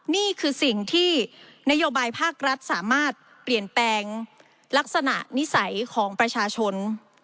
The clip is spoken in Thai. นี่คือสิ่งที่นโยบายภาครัฐสามารถเปลี่ยนแปลงลักษณะนิสัยของประชาชน